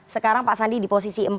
sekarang pak sandi di posisi empat